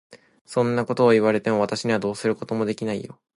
そんなことを言われても、私にはどうすることもできないよ。